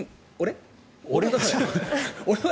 俺？